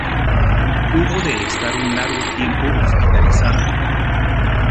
Hubo de estar un largo tiempo hospitalizada.